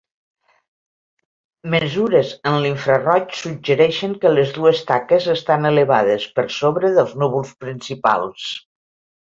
Mesures en l'infraroig suggereixen que les dues taques estan elevades, per sobre dels núvols principals.